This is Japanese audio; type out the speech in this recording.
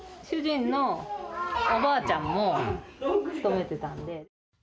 主人のおばあちゃんも勤めてたんで。